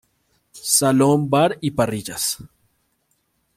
Salón-Bar y parrillas.